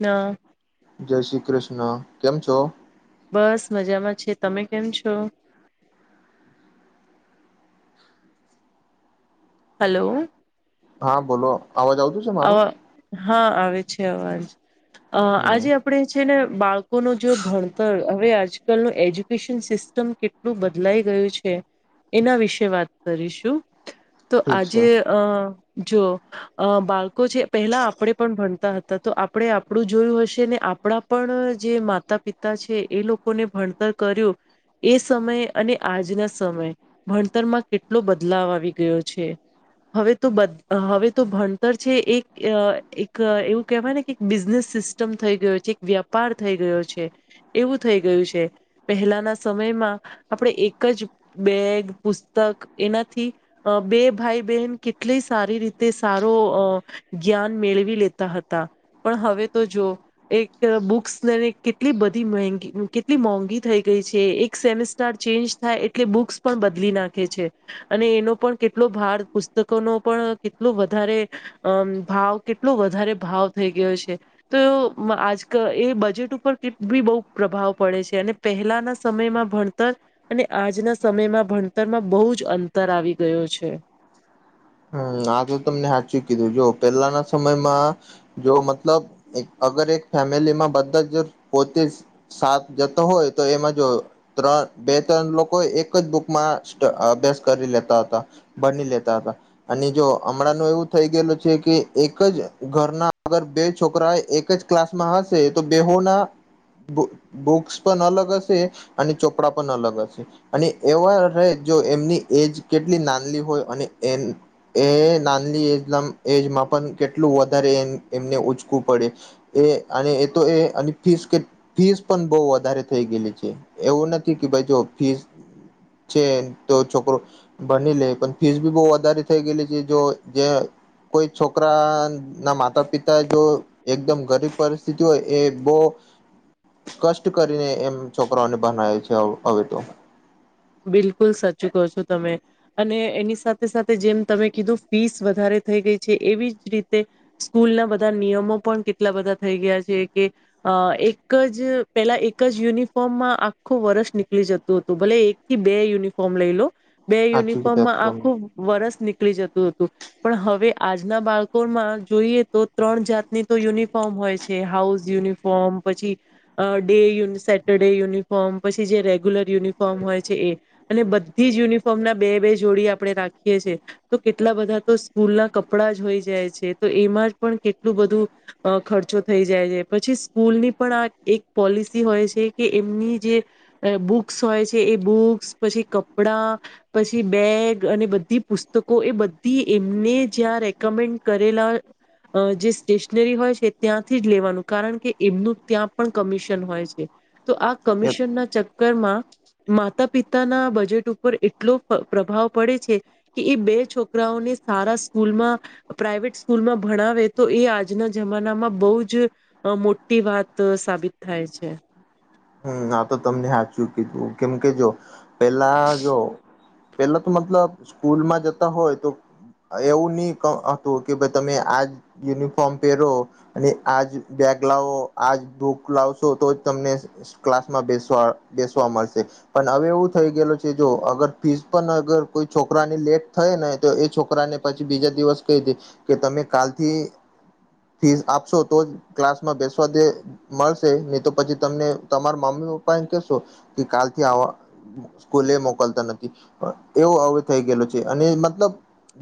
ના. જય શ્રી કૃષ્ણ કેમ છો? બસ મજામાં છે. તમે કેમ છો? હલો. હા બોલો અવાજ આવતું છે? મારું અ હા આવે છે અવાજ અ હમ આજે આપ આપણે છે ને બાળકોનું જો ભણતર હવે આજકાલનું એજ્યુકેશન સિસ્ટમ કેટલું બદલાઈ ગયું છે એના વિશે વાત કરીશું. તો ઠીક છે આજે અ જો અ બાળ લોકો છે પહેલા આપણે પણ ભણતા હતા. તો આપણે આપણું જોયું હશે ને આપણા પણ જે માતા પિતા તા છે. એ લોકોને ભણતર કર્યું એ સમયે અને આજના સમયે ભણતરમાં કેટલો બદલાવ આવી ગયો છે. હવે તો હવે તો ભણતર છે એક અ એક એવું કેહેવાય ને એક બિઝનેસ સિસ્ટમ થઈ ગયો છે. એક વય પાર થઈ ગયો છે એવું થઈ ગયું છે. પહેલાના સમયમાં આપણે એક જ બેગ, પુસ્તક એનાથી અ બે ભાઈ બહેન કેટલી સારી રીતે સારો અ જ્ઞાન મેળવી લેતા હતા પણ હવે તો જો એક બુક્સ ને કેટલી બધી મેહગી કેટલી મોંઘી થઈ ગઈ છે. એક સેમસ્ટ સેમેસ્ટર ચેન્જ થાય એટલે બુક્સ પણ બદલી નાખે છે. અને એનો પણ કેટલો ભાર પુસ્તકોનો પણ કેટલો વધારે અમ ભાવ કેટલો વધારે ભાવ થઈ ગયો છે. તો એ આજકલ એ બજેટ ઉપર કે ટ્રીપ બી બો પ્રભાવ પડે છે અને પહેલાના સમયમાં ભણતર અને આજના સમયમાં ભણતરમાં બો જ અંતર આવી ગયો છે. હમમ આ તો તમને હાચું કીધું જો પેલાના સમયમાં જો મતલબ અગર એક ફેમિલીમાં બધા જો પોતે જ સાથ જતો હોય તો એમાં જો ત્રણ બે ત્રણ લોકો એક જ બુકમાં સ અભ્યાસ કરી લેતા હતા. ભણી લેતા હતા. અને જો હમણાં નું એવું થઈ ગયેલું છે કે એક જ ઘરના અગર બે છોકરાય એક જ ક્લાસમાં હશે તો બેહુ ના બુક્સ પણ અલગ હશે. અને ચોપડા પણ અલગ હશે. અને એવા રહે જો એમની એજ કેટલી નાનલી હોય અને એ- એ નાલી એજ ના એજમાં પણ કેટલું વધારે એ એમને ઊંચકું પડે. એ અને એ તો એ અને- ફીસ કે ફીસ પણ બહ વધારે થઈ ગયેલી છે એવું નથી કે ભાઈ જો ફીસ છે તો છોકરો, ભની લે પણ ફીસ ભી બહ વધારે થઈ ગયેલી છે જો જે કોઈ છોકરા ના માતા પિતા જો એકદમ ગરીબ પરિસ્થિતિ હોય એ બહ કષ્ટ કરીને એમ છોકરાઓને બનાવે છે હવે તો. બિલકુલ સાચી કહો છો તમે. અને એની સાથે સાથે જેમ તમે કીધું ફીસ વધારે થઈ ગઈ છે એવી જ રીતે સ્કૂલ ના બધા નિયમો પણ કેટલા બધા થઈ ગયા છે કે અ એક જ પેલા એક જ યુનિફોર્મમાં આખું વર્ષ નીકળી જતું હતું ભલે એક થી બે યુનિફોર્મ લઈ લો, બે સાચું યુનિફોર્મમાં કીધું આખું વરસ નીકળી જતું હતું, પણ હવે આજના બાળકોમાં જોઈએ તો ત્રણ જાતની તો યુનિફોર્મ હોય છે હાઉસ યુનિફોર્મ. પછી, ડેય સેટર્ડે યુનિફોર્મ પછી જે રેગ્યુલર યુનિફોર્મ હોય. એ, અને બધી જ યુનિફોર્મ ના બે બે જોડી આપણે રાખીએ છીએ. તો કેટલા બધા તો સ્કૂલના કપડા જ હોઈ જાય છે તો એમાં જ પણ કેટલું બધું અ ખર્ચો થઈ જાય છે પછી સ્કૂલની પણ આ એક પોલિસી હોય છે કે એમની જે અ બુક્સ હોય છે એ બુક્સ પછી કપડા. પછી બેગ અને બધી પુસ્તકો એ બધી એમને જ્યાં રેકમેન્ડ કરેલા અ જે સ્ટેશનરી હોય છે ત્યાંથી જ લેવાનું કારણ કે એમનું ત્યાં પણ કમિશન હોય છે. તો આ એ કમિશન ના ચક્કરમાં. માતા પિતાના બજેટ ઉપર એટલો પ્રભાવ પડે છે. કે એ બે છોકરાઓને સારા સ્કૂલમાં. પ્રાઈવેટ સ્કૂલમાં ભણાવે તો એ આજના જમાનામાં બહુ જ અ મોટી વાત સાબિત થાય છે. હમ આ તો તમને સાચું કીધું કેમ કે જો, પેલા જો પેલા તો મતલબ સ્કૂલમાં જતા હોય તો એવું નહી હતું કે ભાઈ તમે આજ યુનિફોર્મ પહેરો. અને આજ બેગ લાવો આજ બુક લાવશો તો જ તમને ક્લાસમાં બેસવા બેસવા મળશે. પણ હવે એવું થઈ ગયેલું છે જો અગર ફીસ પણ અગર કોઈ છોકરાની લેટ થાય ને તો એ છોકરાને પછી બીજા દિવસ કઈ હતી કે, તમે કાલથી ફીસ આપશો તો જ ક્લાસમાં બેસવા દે મળશે નહી તો પછી તમને તમારા મમ્મી પપ્પા એમ કેહેશો, કે કાલથી આવવા સ્કૂલે મોકલતા નથી, પણ એવો હવે થઈ ગયેલો છે અને મતલબ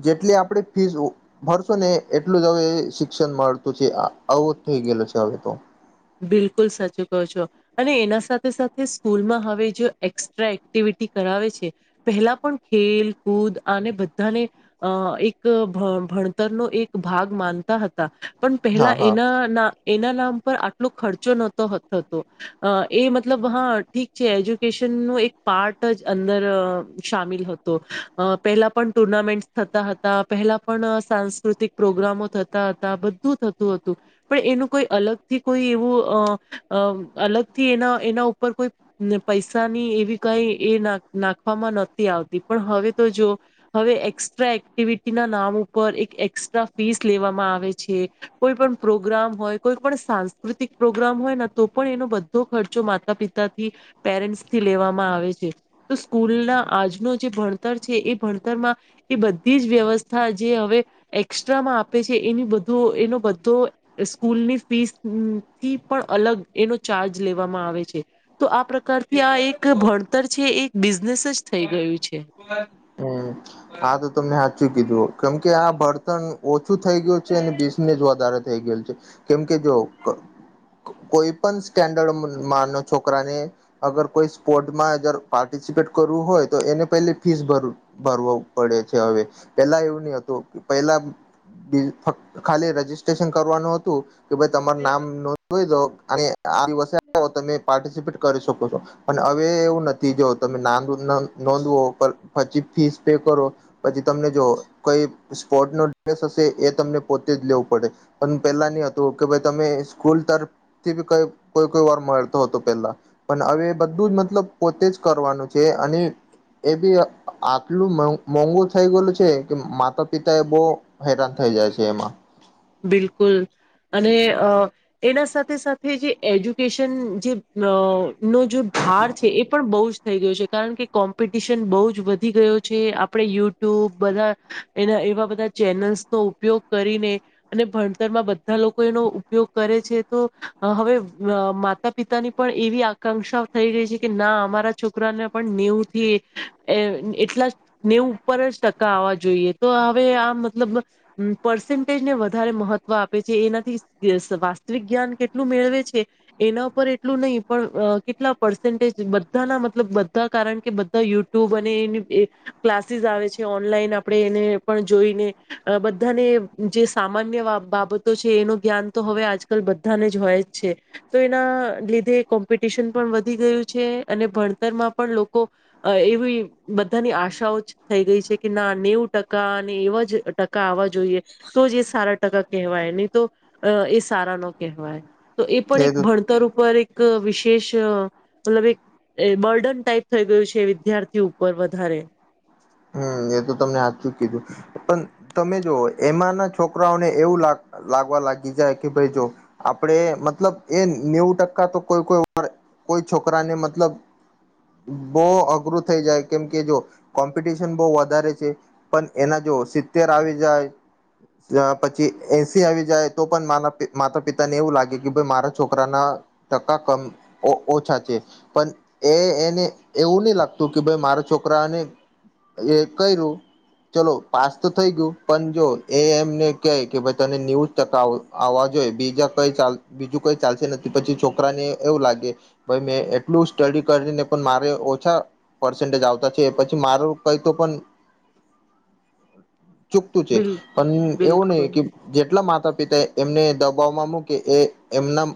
જેટલી આપણેે ફીઝ ભરશો ને એટલું જ હવે શિક્ષણ મળતું છે આવો જ થઈ ગયે છે હવે તો. બિલકુલ સાચી કહો છો. અને એના સાથે સાથે સ્કૂલમાં હવે જો એકક્સ્ટ્રા એક્ટિવિટી કરાવે છે. પહેલા પણ ખેલ કૂદ અને બધાને. અ એક ભ ભણતરનો એક ભાગ માનતા હતા.. પણ પહેલા હા હા એના ના એના નામ પર આટલો ખર્ચો નહતો થતો. અ એ મતલબ હા ઠીક છે એજ્યુકેશન નું એક પાર્ટ જ અંદર શમેલ હતો. પેલા પણ ટુર્નામેન્ટ થતા હતા પહેલા પણ સાંસ્કૃતિક પ્રોગ્રામો થતા હતા બધું થતું હતું, પણ એનું કોઈ અલગથી કોઈ એવું અ અલગ થી એના એના ઉપર કોઈ પૈસાની એવી કઈ એ ના નાખવામાં નતી આવતી પણ હવે તો જો. હવે એકસ્ટ્રા એક્ટિવિટીના નામ ઉપર એક એક્સ્ટ્રા ફીસ લેવામાં આવે છે. કોઈ પણ પ્રોગ્રામ હોય કોઈ પણ સા પ્રાકૃતિક પ્રોગ્રામ હોય ને તો પણ એનો બધો ખર્ચો માતા પિતાથી પેરેન્ટ્સથી લેવામાં આવે છે. તો સ્કૂલના આજનું જે ભણતર છે એ ભણતરમાં. એ બધી જ વ્યવસ્થા જે હવે એક્સ્ટ્રામાં આપે છે એની બધું એનો બધો સ્કૂલની ફીસ. હ થી પણ અલગ એનો ચાર્જ લેવામાં આવે છે. તો આ પ્રકારથી આ એક ભણતર છે એક બિઝનેસ જ થઈ ગયું છે. હમ આા તો તમને હાચુ કીધું કેમ કે આ બળતણ ઓછું થઈ ગયું છે અને બીસને જ વધારે થઈ ગયલ છે, કેમ કે જો કોઈ પણ સ્ટેન્ડર્ડ મા ન છોકરા ને. અગર કોઈ સ્પોર્ટમાં પાર્ટિસિપેટ કરવું હોય. તો એને પહેલી ફીસ ભર ભરવ પડે છે હવે, પેલા એવું નહી હતું પહેલા ખાલી રજીિસ્ટ્રેશન કરવાનું હતું કે ભાઈ તમાર નામ નોંધઈ દો અને આ દિવસે તમે પાર્ટિસિપેટ કરી શકો છો અને હવે એવું નથી જો તમે નામ નોંધવો પછી ફીસ પે કરો, પછી તમને જો કઈ સ્પોર્ટનો ડ્રેસ હશે એ તમને પોતે જ લેવું પડે. પણ પેલા નની હતું કે ભાઈ તમે સ્કૂલ તરફ થી બી કઈ કોઈ કોઈ વાર મળતો હતો પેલા. પણ હવે બધું જ મતલબ પોતે જ કરવાનું છે અને એ બી આટલું મોંઘું થઈ ગયેલું છે કે માતા પિતા એ બહ હેરાન થઈ જાય છે એમાં. બિલકુલ. અને એના સાથે સાથે જે એજ્યુકેશન જે નો જો ભાર છે એ પણ બહુ જ થઈ ગયું છે કારણ કે કોમ્પિટિશન બહુ જ વધી ગયો છે આપણે યુટ્યુબ બધા. એના એવા બધા ચેનલ્સનો ઉપયોગ કરીને. અને ભણતરમાં બધા લોકો એનો ઉપયોગ કરે છે તો, હવે માતા પિતાની પણ એવી આકાંક્ષાઓ થઈ રઈ છે કે ના અમારા છોકરાને પણ નેવથી, એટલા નેવ ઉપર જ ટકા આવવા જોઈએ તો હવે આ મતલબ પર્સન્ટેજને વધારે મહત્વ આપે છે એનાથી વાસ્તવિક જ્ઞાન કેટલું મેળવે છે. એના ઉપ એટલું નહી પણ કેટલા પર્સેન્ટેજ બધાના મતલબ બધા કારણ કે બધા યુ ટુ બને એ ક્લાસીસ આવે છે ઓનલાઈન આપણે એને પણ જોઈને. અ બધાને જે સામાન્ય બાબતો છે એનું જ્ઞાન તો હવે આજકાલ બધાને જ હોય જ છે. તો એના લીધે કોમ્પિટિશન પણ વધી ગયું છે અને ભણતરમાં પણ લોકો અ એવી બધાની આશાઓ જ થઈ ગઈ છે કે ના નેવું ટકા અને એવા જ ટ આવવા જોઈએ, તો જ એ સારા ટકા કહેવાય નહી તો એ સારા ન કહેવાય તો એ પણ એક ભણતર ઉપર એક વિશેષ મતલબ એક એ બર્ડન ટાઈપ થઈ ગયું છે વિદ્યાર્થી ઉપર વધારે. હમ એ તો તમને હજચું કીધું. પણ તમે જો એમાંના છોકરાઓને એવું લાગવા લાગી જાય કે ભાઈ જો. આપણેે મતલબ એ નેવું ટકા તો કોઈ કોઈર કોઈ છોકરાને મતલબ બો અઘરું થઈ જાય કેમ કે જો કોમ્પિટિશન બો વધારે છે પણ એના જો સિત્તેર આવી જાય અ પછી એસી આવી જાય તો પણ માન માતા પિતા ને એવું લાગે કે ભાઈ મારા છોકરાના ટકા કમ ઓછા છે. પણ એ એને એવું ની લાગતું કે ભાઈ મારા છોકરાને એ ક્યરુ ચલો પાસ તો થઈ ગયું પણ જો એ એમને કેય કે ભાઈ તને નેવુ ટકા આવવા જોઈએ બીજા કઈ બીજું કઈ ચાલશે નથી પછી છોકરાને એવું લાગે ભાઈ મેં એટલું સ્ટડી કરીને પણ મારે ઓછા પર્સેન્ટેજ આવતા છે પછી મારું કઈ તો પણ ચૂકતું છે બિલ પણ એવું નય બિલકુલ કે જેટલા માતા પિતા એમને દબાવમાં મૂકે એ એમના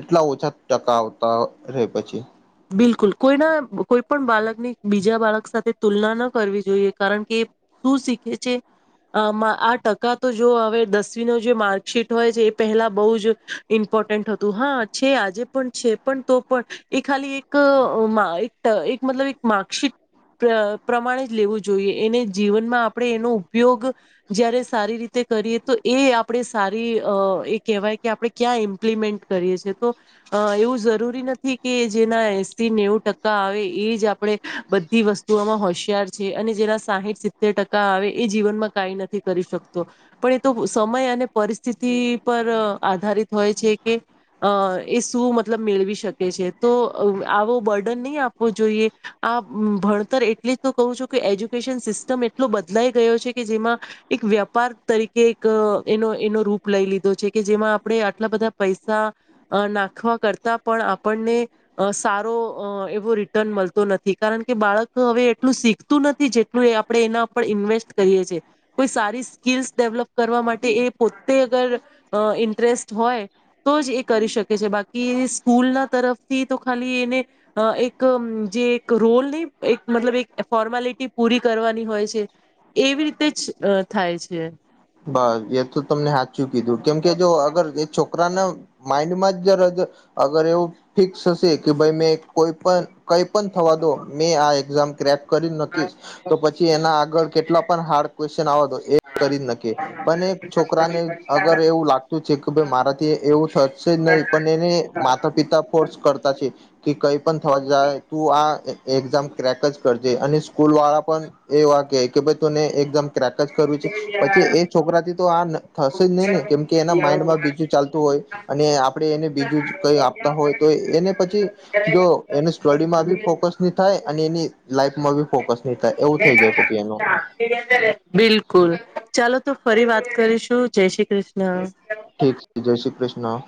એટલા ઓછા ટકા આવતા રે પછી બિલકુલ. કોઈના કોઈ પણ બાળકની બીજા બાળક સાથે તુલના ન કરવી જોઈએ કારણ કે શું શીખે છે? અ આમા આ ટકા તો જો હવે દસમીનું જે માર્કશીટ હોય છે, એ પહેલા બો જ ઇમ્પોર્ટન્ટ હતું. હા, છે આજે પણ છે પણ તો પણ એક ખાલી એક, એક એક મતલબ એક માર્કશીટ પ્ર પ્રમાણે જ લેવું જોઈએ. એને જીવનમાં આપણે એનો ઉપયોગ જયારે સારી રીતે કરીએ, તો એ આપણે સારી અ એ કહેવાય કે આપણે ક્યાં ઇમ્પ્લિમેન્ટ કરીએ છીએ, તો અ એવું જરૂરી નથી. કે જેના એસી, નેવું ટકા આવે એ જ આપણે બધી વસ્તુઓમાં હોશિયાર છે અને જેના સાહીઠ સિત્તેર ટકા આવે. એ જીવનમાં કાઈ નથી કરી શકતો. પણ એ તો સમય અને પરિસ્થિતિ પર આધારિત હોય છે કે અ એ શું મતલબ મેળવી શકે છે. તો અ આવો બર્ડન નય આપવો જોઈએ. આ ભણતર એટલે જ તો કહુ છું, કે એજ્યુકેશન સિસ્ટમ એટલો બદલાઈ ગયો છે કે જેમાં એક વ્યાપાર તરીકે ક એનો એનો એનો રૂપ લઈ લીધો છે કે જેમાં- આપણે આટલા બધા પૈસા અ નાખવા કરતા પણ આપણને અ સારો અ એવો રિટર્ન મળતો નથી કારણ કે બાળક હવે, એટલું શીખતું નથી જેટલું એ આપ આપણે એના પર ઇન્વેસ્ટ કરીએ છીએ. કોઈ સારી સ્કીલ્સ ડેવલપ કરવા માટે એ પોતે અગર ઇન્ટરેસ્ટ હોય. તો જ એ કરી શકે છે. બાકી સ્કૂલના તરફથી તો ખાલી એને અ એક જે એક રોલની એક મતલબ એક ફોર્માલિટી પૂરી કરવાની હોય છે. એવી રીતે જ થાય છે. બસ. એ તો તમને હાચું કીધું કેમ કે જો અગર એ છો છોકરાના માઈન્ડમાં જ જ અગર એવું ફિક્સ હશે કે ભાઈ મેં કોઈ પણ કઈ પણ થવા દો. મેં આ એક્ઝામ ક્રેક કરી નકીશ. તો પછી એના આગળ કેટલા પણ હાર્ડ ક્વેશ્ચન આવ તો એ કરી જ નકી. શકે પણ એક છોકરાને અગર એવું લાગતું છે કે ભાઈ મારાથી એવું થશે નહી. પણ એને માતા પિતા ફોર્સ કરતા છે. કે કઈ પણ થવા જાય, તું આ એકઝામ ક્રેક જ કરજે અને સ્કૂલ વાળા પણ એવા કેય કે ભાઈ તને એકઝામ ક્રેક જ કરવી છે. પછી એ છોકરાથી તો આ થશે જ નય ને કેમ કે એના માઈન્ડમાં બીજું ચાલતું હોય. અને આપણે એને બીજું જ કઈ આપતા હોય, તો એને પછી જો એનું સ્ટડીમાં બી ફોકસ ની થાય અને એની લાઈફમાં બી ફોકસ ની થાય. એવું થઈ જાય પછી એનું બિલકુલ. ચાલો, તો ફરી વાત કરીશું. જય શ્રી કૃષ્ણ. ઠીક છે. જય શ્રી કૃષ્ણ.